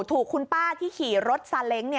ถูกคุณป้าที่ขี่รถสาลเบงเนี่ย